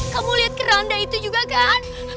kamu lihat keranda itu juga kan